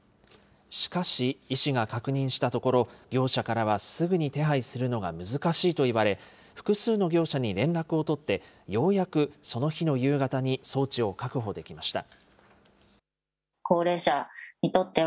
しかし、医師が確認したところ、業者からはすぐに手配するのが難しいと言われ、複数の業者に連絡を取って、ようやくその日の夕方に装置を確保できました。